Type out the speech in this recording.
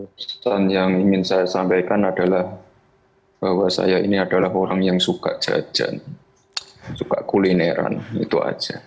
pesan yang ingin saya sampaikan adalah bahwa saya ini adalah orang yang suka jajan suka kulineran itu aja